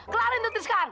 kelarin tuh triska